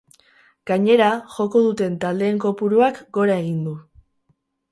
Gainera, joko duten taldeen kopuruak gora egin du.